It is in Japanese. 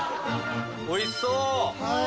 おいしそう！